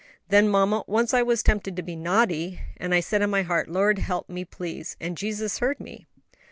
Then mamma, once I was tempted to be naughty, and I said in my heart, 'Lord, help me,' and Jesus heard me."